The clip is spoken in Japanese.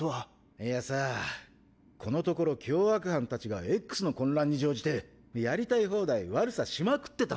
いやさこのところ凶悪犯たちがＸの混乱に乗じてやりたい放題悪さしまくってたんだ。